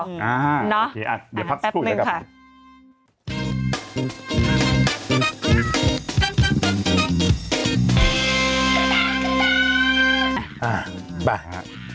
อ่าอ่ะแปบนึงค่ะโอเคเดี๋ยวพักสิบครู่หน่อยก่อนให้รับ